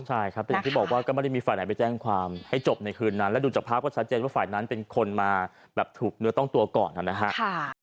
ใช่ครับแต่อย่างที่บอกว่าก็ไม่ได้มีฝ่ายไหนไปแจ้งความให้จบในคืนนั้นและดูจากภาพก็ชัดเจนว่าฝ่ายนั้นเป็นคนมาแบบถูกเนื้อต้องตัวก่อนนะครับ